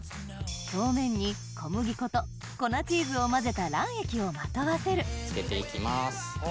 表面に小麦粉と粉チーズを混ぜた卵液をまとわせる付けていきます。